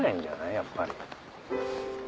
やっぱり。